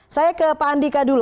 saya ke pak andika dulu